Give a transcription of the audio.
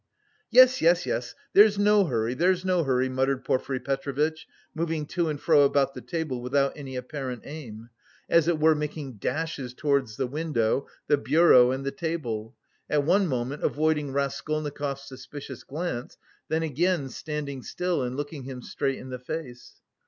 "Yes, yes, yes! There's no hurry, there's no hurry," muttered Porfiry Petrovitch, moving to and fro about the table without any apparent aim, as it were making dashes towards the window, the bureau and the table, at one moment avoiding Raskolnikov's suspicious glance, then again standing still and looking him straight in the face.